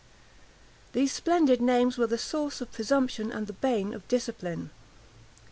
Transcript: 631 These splendid names were the source of presumption and the bane of discipline.